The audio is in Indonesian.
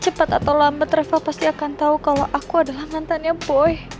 cepat atau lambat reva pasti akan tau kalo aku adalah mantannya boy